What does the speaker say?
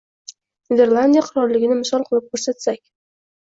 Niderlandiya qirolligini misol qilib ko‘rsatsak